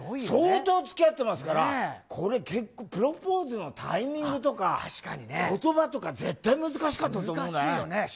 相当つきあってますから、これ結構、プロポーズのタイミングとか、ことばとか絶対難しかったと思う難しいよね。